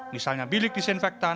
misalnya bilik disinfektan